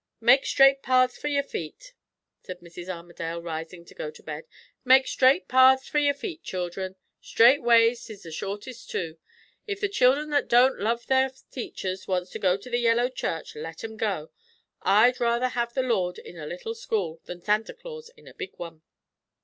"'Make straight paths for your feet'!" said Mrs. Armadale, rising to go to bed. "'Make straight paths for your feet,' children. Straight ways is the shortest too. If the chil'en that don't love their teachers wants to go to the yellow church, let 'em go. I'd rather have the Lord in a little school, than Santa Claus in a big one."